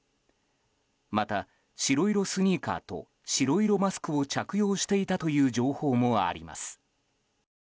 また白色スニーカーと白色マスクを着用していたという情報もあります。